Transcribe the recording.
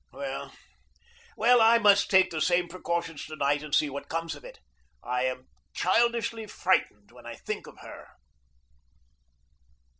Well, well, I must take the same precautions to night and see what comes of it. I am childishly frightened when I think of her.